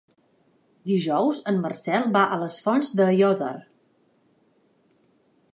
Dijous en Marcel va a les Fonts d'Aiòder.